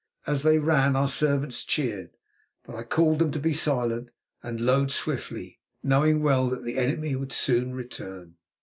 As they ran our servants cheered, but I called to them to be silent and load swiftly, knowing well that the enemy would soon return.